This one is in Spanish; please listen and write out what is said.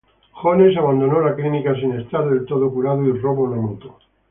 Jones abandona la clínica sin estar del todo curado y roba una moto.